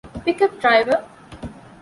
ޕިކަޕް ޑްރައިވަރ